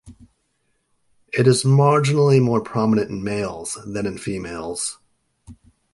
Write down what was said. It is marginally more prominent in males, than in females.